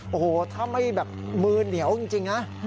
โอ้โหถ้าไม่แบบมือเหนียวจริงนะ